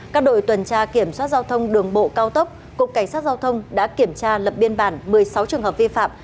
các đội tuần tra kiểm soát giao thông đường bộ cao tốc cục cảnh sát giao thông đã kiểm tra lập biên bản một mươi sáu trường hợp vi phạm